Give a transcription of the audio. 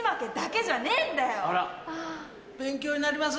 勉強になります。